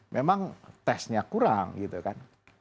memang tesnya kurang gitu kan